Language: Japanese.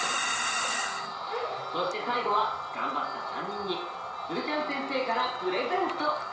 そして最後は頑張った３人に鶴ちゃん先生からプレゼント！